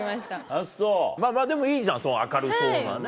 あっそうでもいいじゃん明るそうなね。